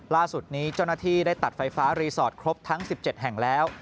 ล่าสุดนี้เจ้าหน้าที่ได้ตัดไฟฟ้ารีสอร์ทครบทั้ง๑๗แห่งแล้ว